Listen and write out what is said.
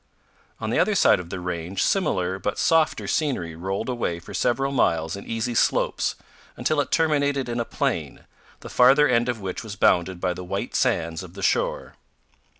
On the other side of the range similar, but softer, scenery rolled away for several miles in easy slopes, until it terminated in a plain, the farther end of which was bounded by the white sands of the shore.